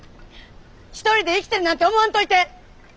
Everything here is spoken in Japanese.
一人で生きてるなんて思わんといて！